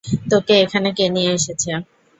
তোকে এখানে কে নিয়ে এসেছে?